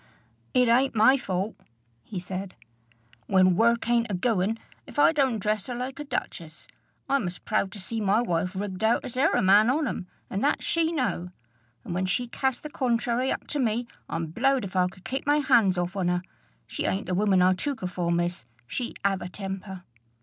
"It ain't my fault," he said, "when work ain't a goin,' if I don't dress her like a duchess. I'm as proud to see my wife rigged out as e'er a man on 'em; and that she know! and when she cast the contrairy up to me, I'm blowed if I could keep my hands off on her. She ain't the woman I took her for, miss. She 'ave a temper!"